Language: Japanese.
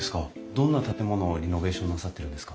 どんな建物をリノベーションなさってるんですか？